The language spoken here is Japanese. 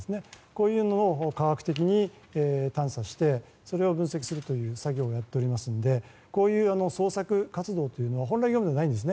こういうのを科学的に探査してそれを分析するという作業をやっておりますのでこういう捜索活動は本来業務ではないんです。